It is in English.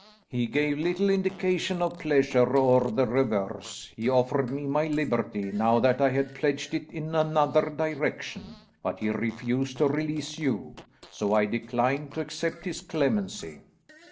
"He gave little indication of pleasure or the reverse. He offered me my liberty, now that I had pledged it in another direction, but he refused to release you, so I declined to accept his clemency."